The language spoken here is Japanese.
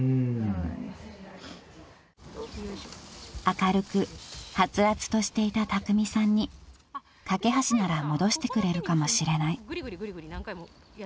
［明るくはつらつとしていたたくみさんにかけはしなら戻してくれるかもしれない］